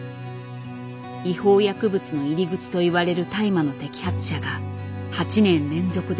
違法薬物の入り口と言われる大麻の摘発者が８年連続で増加。